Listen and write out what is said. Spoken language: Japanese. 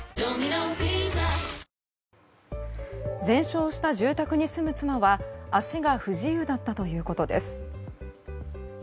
全焼した住宅に住む妻は足が不自由だったということです。